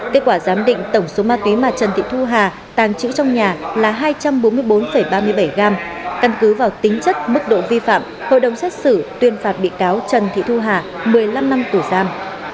kết quả giám định tổng số ma túy mà trần thị thu hà tàng trữ trong nhà là hai trăm bốn mươi bốn ba mươi bảy gram căn cứ vào tính chất mức độ vi phạm hội đồng xét xử tuyên phạt bị cáo trần thị thu hà một mươi năm năm tù giam